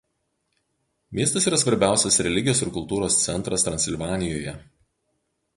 Miestas yra svarbiausias religijos ir kultūros centras Transilvanijoje.